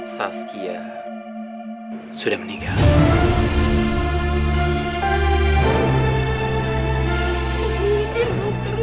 saskia sudah meninggal